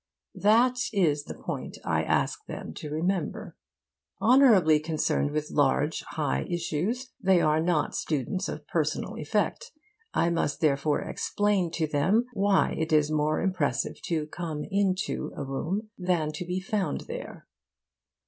That is the point I ask them to remember. Honourably concerned with large high issues, they are not students of personal effect. I must therefore explain to them why it is more impressive to come into a room than to be found there.